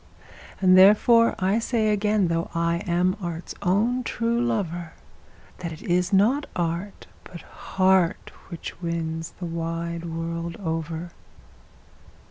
And therefore I say again, though I am art's own true lover, That it is not art, but heart, which wins the wide world over.